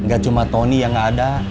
gak cuma tony yang gak ada